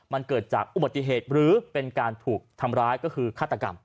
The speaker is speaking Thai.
มันเกิดจากอุบัติเหตุหรือเป็นการถูกทำร้ายก็คือฆาตกรรม